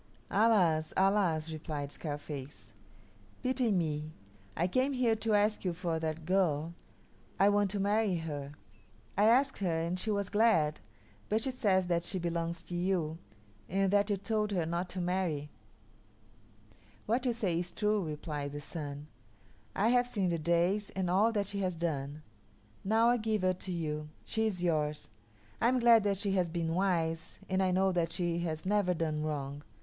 "Alas, alas!" replied Scarface, "Pity me. I came here to ask you for that girl. I want to marry her. I asked her and she was glad, but she says that she belongs to you, and that you told her not to marry." "What you say is true," replied the Sun. "I have seen the days and all that she has done. Now I give her to you. She is yours. I am glad that she has been wise, and I know that she has never done wrong.